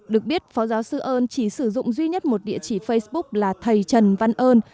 được biết phó giáo sư ơn chỉ sử dụng duy nhất một địa chỉ facebook là thầy trần văn ơn